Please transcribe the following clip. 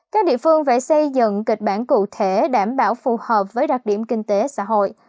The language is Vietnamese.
các địa phương phải xây dựng kịch bản cụ thể đảm bảo phù hợp với đặc điểm kinh tế xã hội